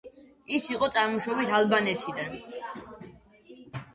ის იყო წარმოშობით ალბანეთიდან.